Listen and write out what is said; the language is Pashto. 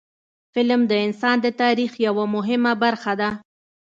فلم د انسان د تاریخ یوه مهمه برخه ده